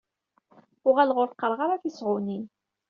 Uɣaleɣ ur qqareɣ ara tisɣunin.